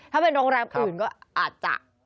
ถ้าเป็นโรงแรมอื่นก็อาจจะ